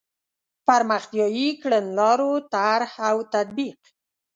پرمختیایي کړنلارو طرح او تطبیق.